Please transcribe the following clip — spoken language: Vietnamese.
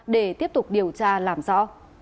để tiếp tục điều tra làm rõ